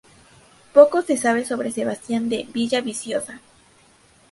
Poco se sabe sobre Sebastián de Villaviciosa.